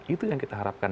itu yang kita harapkan